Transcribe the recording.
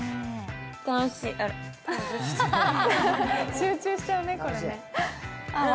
集中しちゃうね、これ。